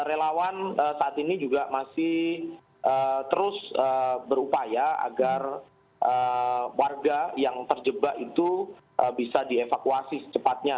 relawan saat ini juga masih terus berupaya agar warga yang terjebak itu bisa dievakuasi secepatnya